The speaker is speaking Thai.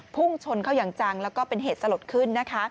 พุ่งชนเข้าอย่างจังแล้วก็เป็นเหตุสลดขึ้นนะคะ